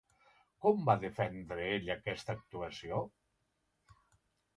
Com va defendre ell aquesta actuació?